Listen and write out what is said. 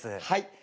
はい。